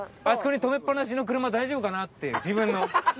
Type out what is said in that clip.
「あそこに止めっぱなしの車大丈夫かな？」っていう自分の。